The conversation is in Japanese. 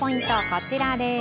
こちらです。